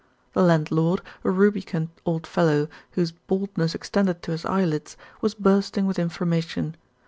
The landlord, a rubicund old fellow whose baldness extended to his eyelids, was bursting with information.